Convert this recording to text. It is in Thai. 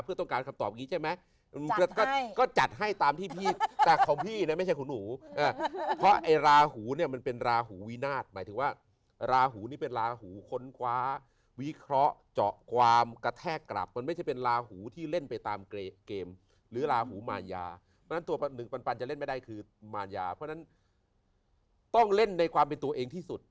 เพราะตรงนั้นต้องเล่นในความเป็นตัวเองที่สุด